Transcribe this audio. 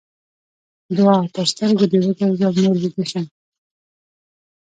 دوعا؛ تر سترګو دې وګرځم؛ نور ويده شه.